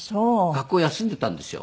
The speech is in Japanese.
学校休んでいたんですよ。